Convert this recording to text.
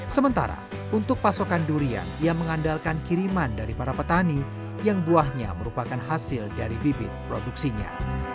sementara untuk pasokan durian ia mengandalkan kiriman dari para petani yang buahnya merupakan hasil dari bibit produksinya